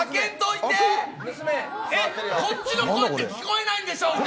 えっ、こっちの声って聞こえないんでしょうか？